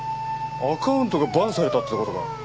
アカウントがＢＡＮされたって事か。